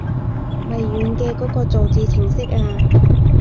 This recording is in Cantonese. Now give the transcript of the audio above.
微軟嘅嗰個造字程式啊